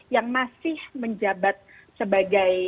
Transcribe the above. yang masih menjabat sebagai